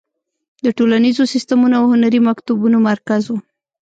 د ټولنیزو سیستمونو او هنري مکتبونو مرکز و.